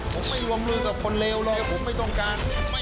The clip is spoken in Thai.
ผมไม่วงลือกับคนเลวเลยผมไม่ต้องการ